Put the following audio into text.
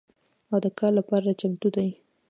او د کار لپاره چمتو دي